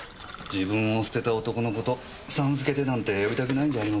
自分を捨てた男の事「さん」付けでなんて呼びたくないんじゃありません？